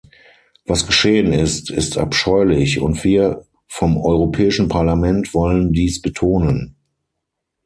Was geschehen ist, ist abscheulich, und wir vom Europäischen Parlament wollen dies betonen.